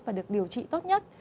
và được điều trị tốt nhất